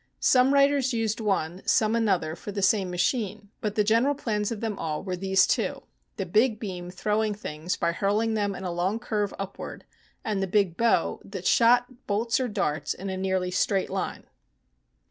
Some writ ers used one, some another for the same machine, but the general plans of them all were these two — the big beam throwing things by hurling them in a long curve upward, and the big bow that shot bolts or darts in a nearly straight line.